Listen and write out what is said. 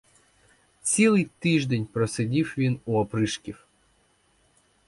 Цілий тиждень просидів він у опришків.